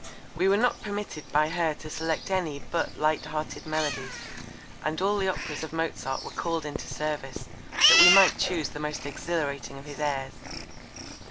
We were not permitted by her to select any but light hearted melodies; and all the Operas of Mozart were called into service, that we might choose the most exhilarating of his airs.